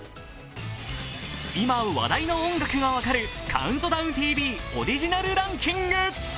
今、話題の音楽が分かる「ＣＤＴＶ」オリジナルランキング。